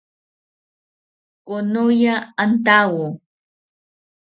Konoya antawo